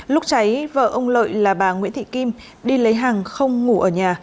lúc cháy vợ ông lợi là bà nguyễn thị kim đi lấy hàng không ngủ ở nhà